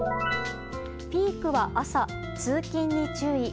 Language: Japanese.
ピークは朝、通勤に注意。